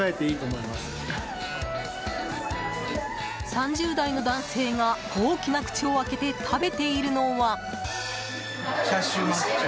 ３０代の男性が大きな口を開けて食べているのは。